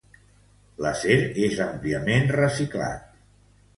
L'acer és àmpliament reciclat.